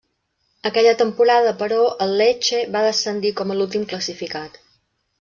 Aquella temporada però, el Lecce va descendir com a l'últim classificat.